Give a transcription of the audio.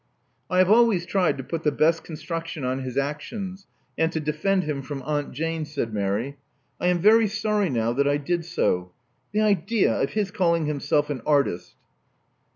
I have always tried to put the best construction on his actions, and to defend him from Aunt Jane," said Mary. '*I am very sorry now that I did so. The idea of his calling himself an artist!"